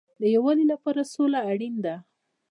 د یووالي لپاره سوله اړین ده